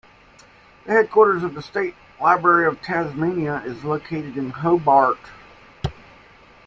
The headquarters of the State Library of Tasmania is located in Hobart.